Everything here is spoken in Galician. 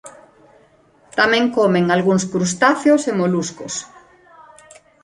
Tamén comen algúns crustáceos e moluscos.